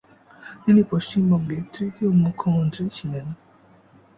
তিনি পশ্চিমবঙ্গের তৃতীয় মুখ্যমন্ত্রী ছিলেন।